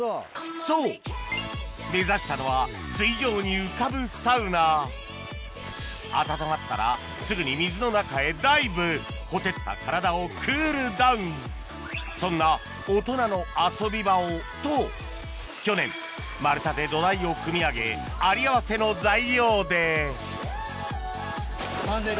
そう目指したのは水上に浮かぶサウナ温まったらすぐに水の中へダイブ火照った体をクールダウンそんな大人の遊び場をと去年丸太で土台を組み上げあり合わせの材料で完成完成。